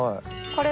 これ。